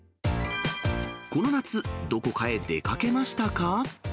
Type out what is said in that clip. この夏、どこかへ出かけましたか？